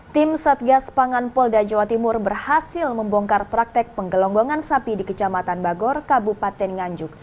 tim satgas pangan polda jawa timur berhasil membongkar praktek penggelonggongan sapi di kecamatan bagor kabupaten nganjuk